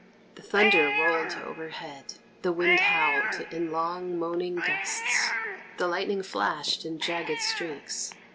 The thunder rolled overhead, the wind howled in long moaning gusts, the lightning flashed in jagged streaks.